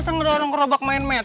masa ngedorong kerobak main med